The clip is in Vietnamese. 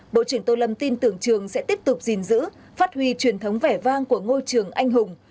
bộ trưởng tô lâm tin tưởng trường sẽ tiếp tục gìn giữ phát huy truyền thống vẻ vang của ngôi trường anh hùng